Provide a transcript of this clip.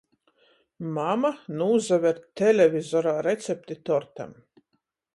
Mama nūsaver televizorā recepti tortam.